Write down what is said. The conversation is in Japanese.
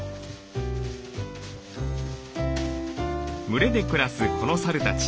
群れで暮らすこのサルたち。